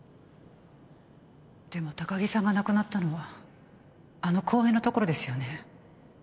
でも高城さんが亡くなったのはあの公園の所ですよね。